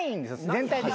全体的に。